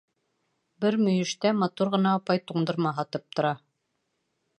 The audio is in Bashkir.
Бер мөйөштә матур ғына апай туңдырма һатып тора.